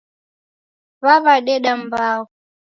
Wawadeda mmbao